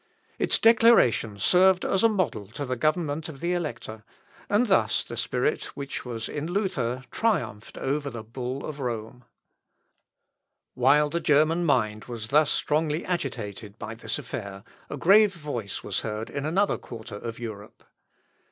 Its declaration served as a model to the government of the Elector; and thus the spirit which was in Luther triumphed over the bull of Rome. [Sidenote: LUTHER'S SELF EXAMINATION.] While the German mind was thus strongly agitated by this affair, a grave voice was heard in another quarter of Europe.